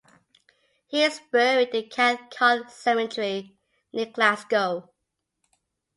He is buried in Cathcart Cemetery, near Glasgow.